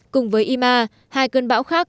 cùng với ima hai cơn bão khác